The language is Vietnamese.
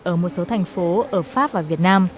ở một số thành phố ở pháp và việt nam